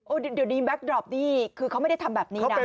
โอ้เดี๋ยวหนิแบ็คดรอปนี่คือเค้าไม่ได้ทำแบบนี้นะ